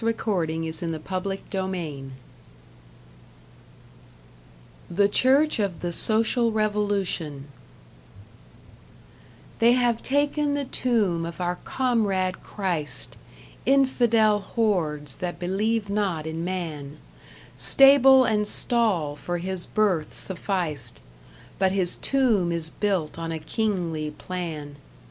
#BOOK SEVEN# #The Church of the Social Revolution# They have taken the tomb of our Comrade Christ Infidel hordes that believe not in man; Stable and stall for his birth sufficed, But his tomb is built on a kingly plan.